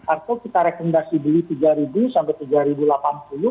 atau kita rekomendasi beli rp tiga sampai rp tiga delapan puluh